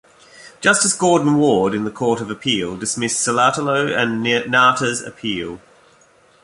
Justice Gordon Ward in the Court of Appeal dismissed Silatolu and Nata's appeal.